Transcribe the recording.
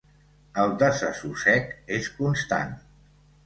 El desassossec és constant.